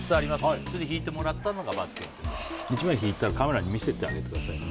それで引いてもらったのが罰ゲーム１枚引いたらカメラに見せてあげてください